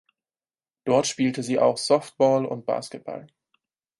Dort spielte sie auch Softball und Basketball.